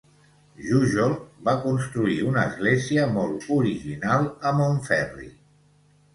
Jujol va construir una església molt original a Montferri.